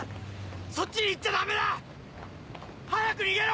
そっちに行っちゃダメだ！早く逃げろ！